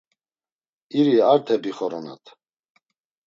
İri arte bixoronat.